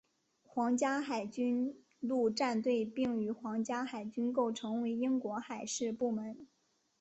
皇家海军陆战队并与皇家海军构成为英国海事部门。